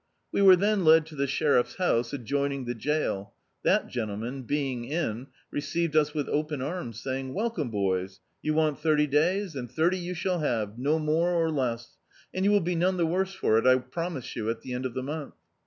We were then led to the sheriff's house, adjoining the jail. That gentleman, being in, received us with open arms saying — "Welcome, boys, you want thirty days, and thirty you shall luve, no more or less; and you will be none the worse for it, I promise you, at the end of the month."